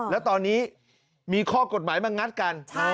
แล้วตอนนี้มีข้อกฎหมายมางัดกัน